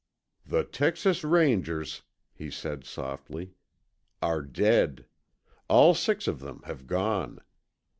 "The Texas Rangers," he said softly, "are dead. All six of them have gone.